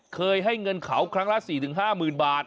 เคยให้เงินเขาครั้งละ๔๕๐๐๐บาท